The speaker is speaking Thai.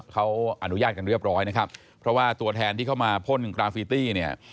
เขาอนุญาตกันเรียบร้อยนะครับเพราะว่าตัวแทนที่เข้ามาพ่นกราฟิตี้เนี่ย